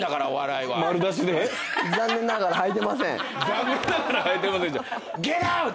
残念ながらはいてませんじゃ。